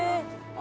あ！